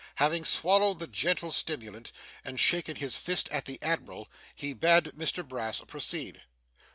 Having swallowed this gentle stimulant, and shaken his fist at the admiral, he bade Mr Brass proceed.